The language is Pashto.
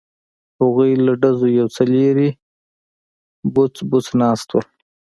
هغوی له ډزو یو څه لرې بوڅ بوڅ ناست وو.